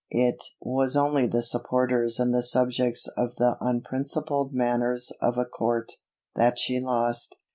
It was only the supporters and the subjects of the unprincipled manners of a court, that she lost.